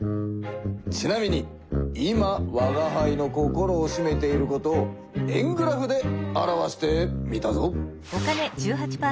ちなみに今わがはいの心をしめていることを円グラフで表してみたぞ。